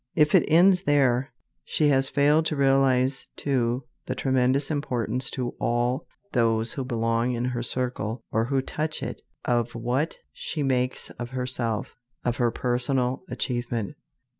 If it ends there, she has failed to realize, too, the tremendous importance to all those who belong in her circle or who touch it of what she makes of herself, of her personal achievement.